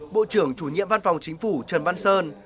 bộ trưởng chủ nhiệm văn phòng chính phủ trần văn sơn